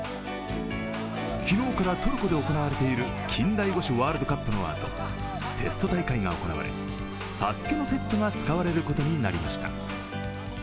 昨日からトルコで行われている近代五種ワールドカップのあと、テスト大会が行われ、「ＳＡＳＵＫＥ」のセットが使われることになりました。